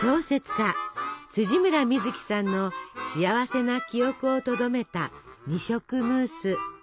家村深月さんの幸せな記憶をとどめた二色ムース。